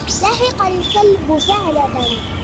لحِق الكلب ثعلبًا.